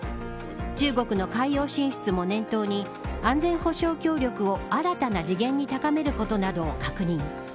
中国の海洋進出も念頭に安全保障協力を新たな次元に高めることなどを確認。